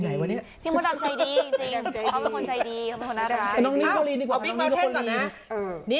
มันกลับใจดีพี่ม่อนดำใจดีจริงพ่อมันคนใจดีมันคนน่ารัก